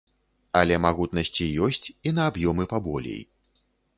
Але магутнасці ёсць і на аб'ёмы паболей.